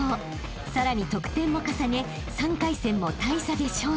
［さらに得点も重ね３回戦も大差で勝利］